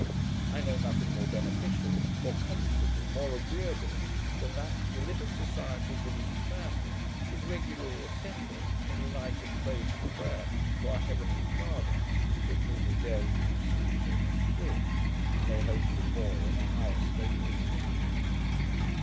I know nothing more beneficial, more comfortable, more agreeable, than that the little societies of each family should regularly assemble, and unite in praise and prayer to our heavenly Father, from whom we daily receive so much good, and may hope for more in a higher state of existence.